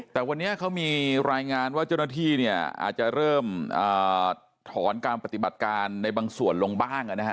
แต่วันนี้เขามีรายงานว่าเจ้าหน้าที่เนี่ยอาจจะเริ่มถอนการปฏิบัติการในบางส่วนลงบ้างนะฮะ